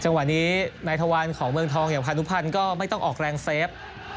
จังหวะนี้นายทวารของเมืองทองอย่างพานุพันธ์ก็ไม่ต้องออกแรงเซฟ